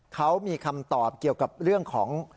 เขามีคำตอบเกี่ยวกับเรื่องของ